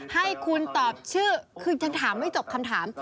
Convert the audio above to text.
ให้คุณตอบชื่อทั้งถามนั้นไม่จบคำถาม